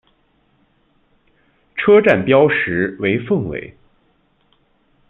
车站标识为凤尾。